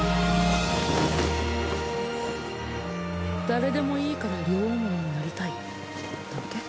誰でもいいから両思いになりたいだっけ？